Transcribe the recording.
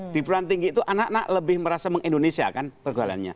di beruang tinggi itu anak anak lebih merasa meng indonesia kan pergolanya